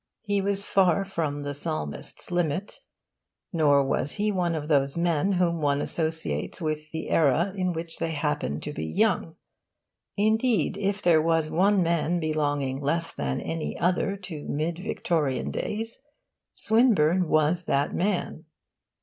He was far from the Psalmist's limit. Nor was he one of those men whom one associates with the era in which they happened to be young. Indeed, if there was one man belonging less than any other to Mid Victorian days, Swinburne was that man.